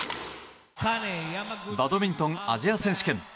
バドミントンアジア選手権。